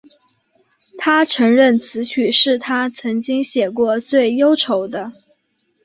她承认此曲是她曾经写过最忧愁的。